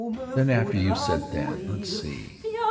Then, after you've said that——Let's see.